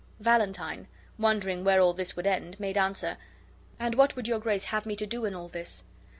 Valentine, wondering where all this would end, made answer, "And what would your grace have me to do in all this?"